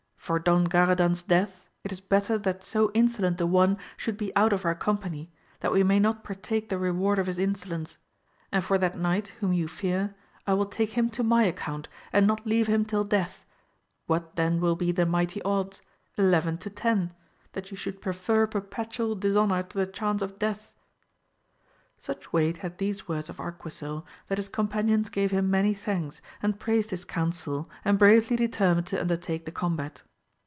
for Don Gara dan's death, it is better that so insolent a one should be out of our company, that we may not partake the reward of his insolence ; and for that knight whom you fear, I will take him to my account, and not leave him till death, what then will be the mighty odds ? eleven to ten — that you should prefer perpetual dis honour to the chance of death ! Such weight had these words of Arquisil that his companions gave him many thanks, and praised his council and bravely determined to undertake the combat.